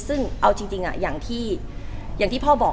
ซึ่งเอาจริงอย่างที่พ่อบอก